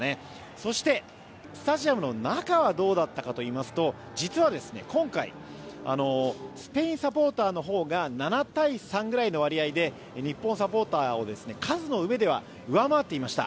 そしてスタジアムの中はどうだったかといいますと実は今回スペインサポーターのほうが７対３ぐらいの割合で日本サポーターを数の上では上回っていました。